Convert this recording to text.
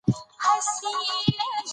ازادي راډیو د طبیعي پېښې ستونزې راپور کړي.